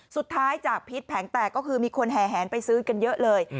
สุดท้ายจากพิษแผงแตกก็คือมีคนแห่แหนไปซื้อกันเยอะเลย